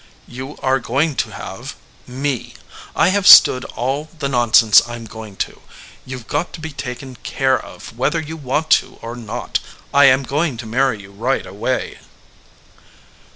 "You are going to have me. I have stood all the nonsense I m going to. You ve got to be taken care of whether you want to or not. I am going to marry you right away."